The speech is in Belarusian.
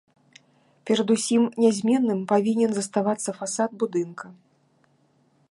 Перадусім, нязменным павінен заставацца фасад будынка.